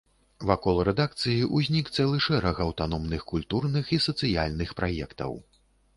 Вакол рэдакцыі ўзнік цэлы шэраг аўтаномных культурных і сацыяльных праектаў.